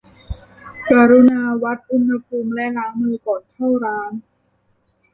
กรุณาวัดอุณหภูมิและล้างมือก่อนเข้าร้าน